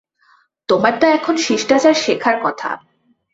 তোমার তো এখন শিষ্টাচার শেখার কথা।